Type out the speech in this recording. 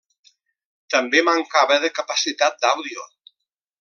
També mancava de capacitat d'àudio.